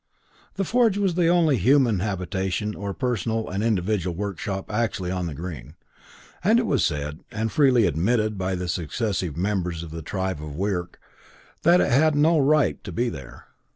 The forge was the only human habitation or personal and individual workshop actually on the Green, and it was said, and freely admitted by the successive members of the tribe of Wirk, that it had "no right" to be there.